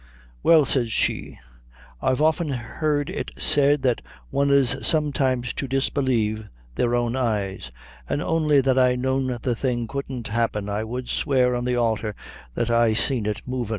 "Well," said she, "I've often heard it said that one is sometimes to disbelieve their own eyes; an' only that I known the thing couldn't happen, I would swear on the althar that I seen it movin'."